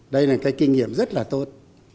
đây là cái kinh nghiệm rất là tốt